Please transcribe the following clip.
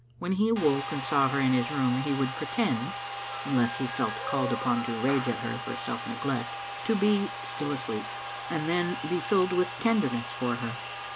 When he awoke and saw her in his room he would pre tend, unless he felt called upon to rage at her for self neglect, to be still asleep, and then be filled with tenderness for her.